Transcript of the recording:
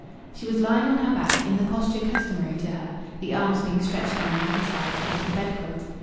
She was lying on her back, in the posture customary to her, the arms being stretched down by the sides under the bed quilt.